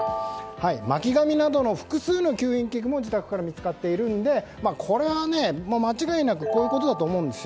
巻き紙などの複数の吸引器具も自宅から見つかっているのでこれは間違いなくこういうことだと思うんです。